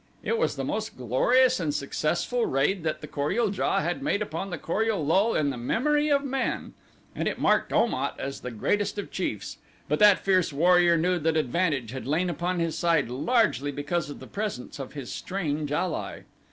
It was the most glorious and successful raid that the Kor ul JA had made upon the Kor ul lul in the memory of man, and it marked Om at as the greatest of chiefs, but that fierce warrior knew that advantage had lain upon his side largely because of the presence of his strange ally.